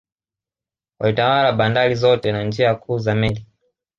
Walitawala bandari zote na njia kuu za meli